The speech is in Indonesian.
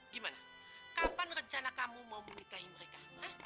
gimana kapan rencana kamu mau menikahi mereka